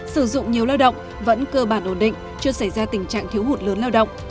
sử dụng nhiều lao động vẫn cơ bản ổn định chưa xảy ra tình trạng thiếu hụt lớn lao động